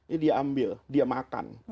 ya dia ambil dia makan